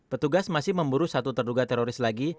petugas masih memburu satu terduga teroris lagi